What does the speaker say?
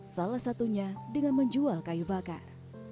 salah satunya dengan menjual kayu bakar